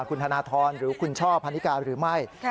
คุณธนทรหรือคุณช่อพันนิกาหรือไม่